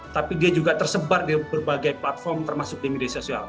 tapi dia juga tersebar di berbagai platform termasuk di media sosial